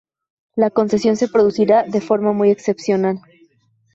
La concesión se producirá de forma muy excepcional.